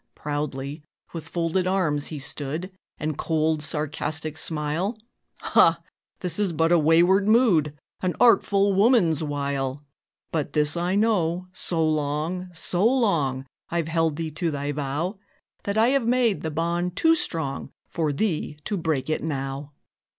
Proudly, with folded arms he stood, And cold, sarcastic smile "Ha! this is but a wayward mood, An artful woman's wile. But this I know: so long so long I've held thee to thy vow, That I have made the bond too strong For thee to break it now."